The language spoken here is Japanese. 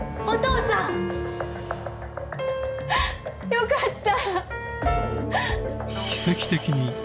よかった！